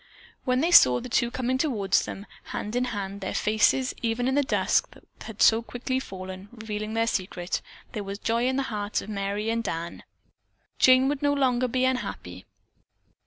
When they saw the two coming toward them, hand in hand, their faces, even in the dusk, that had so quickly fallen, revealing their secret, there was joy in the hearts of Merry and Dan. Jane would no longer be unhappy.